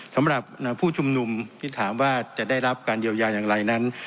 สำหรับผู้ชุมนุมที่ถามว่าจะได้รับการเยียวยาอย่างไรนั้น